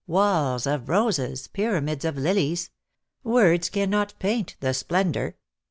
Walls of roses, pyramids of lilies; words cannot paint the splendour."